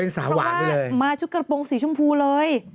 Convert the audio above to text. เพราะว่ามาชุดกระโปรงสีชมพูเลย